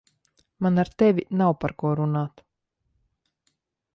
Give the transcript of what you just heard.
Man ar tevi nav par ko runāt.